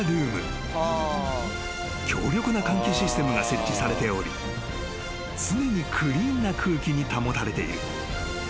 ［強力な換気システムが設置されており常にクリーンな空気に保たれている］